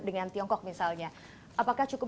dengan tiongkok misalnya apakah cukup